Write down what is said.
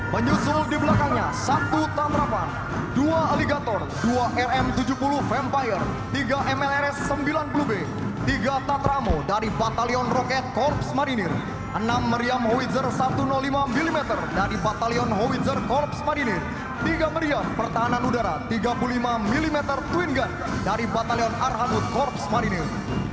penyusul di belakangnya satu tantrapan dua aligator dua rm tujuh puluh vampire tiga mlrs sembilan puluh b tiga tatramo dari batalion roket korps marinir enam meriam howitzer satu ratus lima mm dari batalion howitzer korps marinir tiga meriam pertahanan udara tiga puluh lima mm twin gun dari batalion arhamut korps marinir